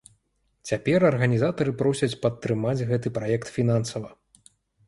Цяпер арганізатары просяць падтрымаць гэты праект фінансава.